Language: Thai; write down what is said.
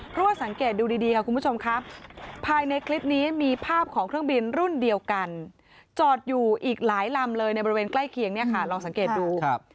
เพราะว่าสังเกตดูดีค่ะคุณผู้ชมครับภายในคลิปนี้มีภาพของเครื่องบินรุ่นเดียวกันจอดอยู่อีกหลายลำเลยในบริเวณใกล้เคียงเนี่ยค่ะลองสังเกตดู